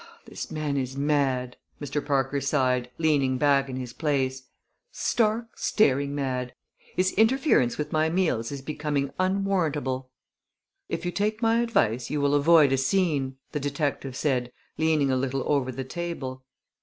"This man is mad!" Mr. Parker sighed, leaning back in his place "stark, staring mad! His interference with my meals is becoming unwarrantable." "If you take my advice you will avoid a scene," the detective said, leaning a little over the table.